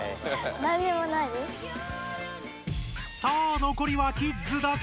さあのこりはキッズだけ！